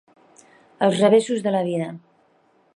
Els revessos de la vida.